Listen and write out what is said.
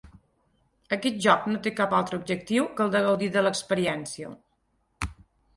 Aquest joc no té cap altre objectiu que el de gaudir de l'experiència.